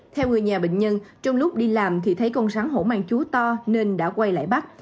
theo người nhà bệnh nhân trong lúc đi làm thì thấy con rắn hổ mang chúa to nên đã quay lại bắt